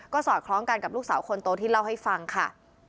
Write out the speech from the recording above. สอดคล้องกันกับลูกสาวคนโตที่เล่าให้ฟังค่ะ